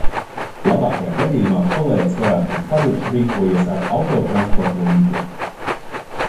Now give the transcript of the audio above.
Labākajā gadījumā kolēģis varētu būt pavirši rīkojies ar autotransporta līdzekli.